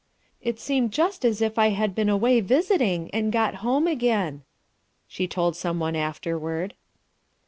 "It seemed just as if I had been away visiting and got home again," she told someone afterward.